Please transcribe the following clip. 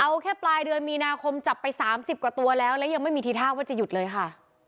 เอาแค่ปลายเดือนมีนาคมจับไป๓๐กว่าตัวแล้วแล้วยังไม่มีทีท่าว่าจะหยุดเลยค่ะ